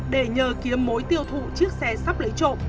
để nhờ kiếm mối tiêu thụ chiếc xe sắp lấy trộm